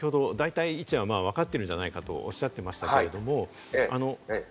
先ほど大体、位置はわかっているんじゃないかとおっしゃってましたけれども。